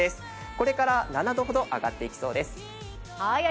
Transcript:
これから７度ほど上がっていきそうです。